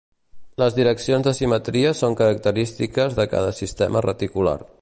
Les direccions de simetria són característiques de cada sistema reticular.